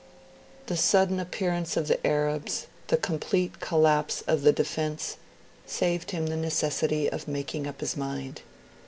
The sudden appearance of the Arabs, the complete collapse of the defence, saved him the necessity of making up his mind.